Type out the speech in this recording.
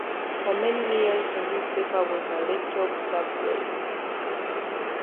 For many years, the newspaper was a red-top tabloid.